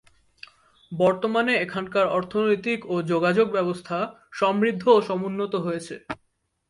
বর্তমানে এখানকার অর্থনৈতিক ও যোগাযোগ ব্যবস্থা সমৃদ্ধ ও সমুন্নত হয়েছে।